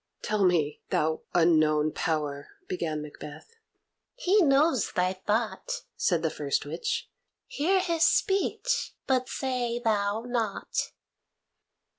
"Tell me, thou unknown power " began Macbeth. "He knows thy thought," said the first witch; "hear his speech, but say thou nought."